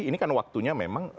ini kan waktunya memang